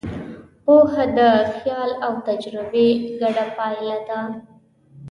پوهه د خیال او تجربې ګډه پایله ده.